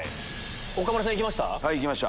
岡村さん行けました？